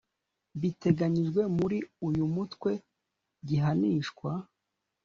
biteganyijwe muri uyu mutwe gihanishwa